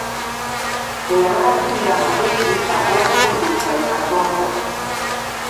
Eyabalagirira amagezi ag'okugutuusa ye Katonda.